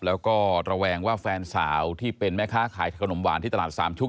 แล้วก็ระแวงว่าแฟนสาวที่เป็นแม่ค้าขายขนมหวานที่ตลาดสามชุก